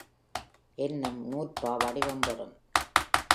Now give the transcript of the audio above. என்னும் நூற்பா வடிவம் பெறும்.